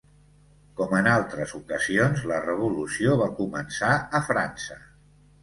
Com en altres ocasions, la revolució va començar a França.